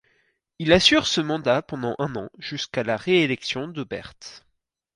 Il assure ce mandat pendant un an, jusqu'à la réélection de Bert.